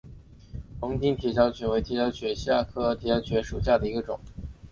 龙津铁角蕨为铁角蕨科铁角蕨属下的一个种。